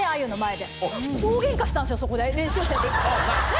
そこで練習生と。